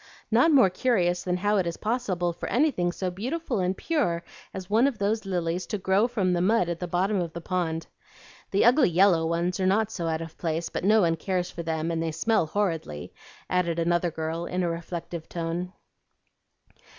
"Not more curious than how it is possible for anything so beautiful and pure as one of those lilies to grow from the mud at the bottom of the pond. The ugly yellow ones are not so out of place; but no one cares for them, and they smell horridly," added another girl in a reflective tone.